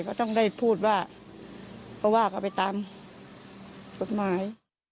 ก็ต้องโดยพูดว่าว่าก็ไปตามจุดหมาย